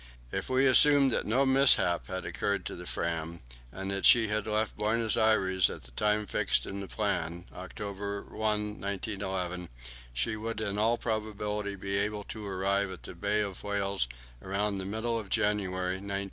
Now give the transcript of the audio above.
If we assumed that no mishap had occurred to the Fram, and that she had left Buenos Aires at the time fixed in the plan October 1, 1911 she would in all probability be able to arrive at the Bay of Whales about the middle of January, 1912.